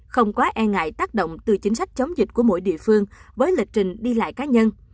không quá e ngại tác động từ chính sách chống dịch của mỗi địa phương với lịch trình đi lại cá nhân